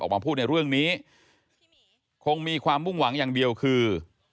ออกมาพูดในเรื่องนี้คงมีความมุ่งหวังอย่างเดียวคือ